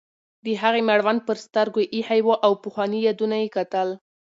د هغې مړوند پر سترګو ایښی و او پخواني یادونه یې کتل.